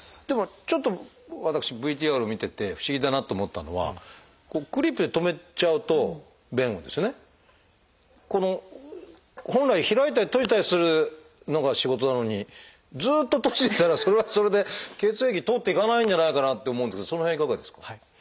でもちょっと私ＶＴＲを見てて不思議だなと思ったのはクリップで留めちゃうと弁をですね本来開いたり閉じたりするのが仕事なのにずっと閉じてたらそれはそれで血液通っていかないんじゃないかなって思うんですけどその辺いかがですか？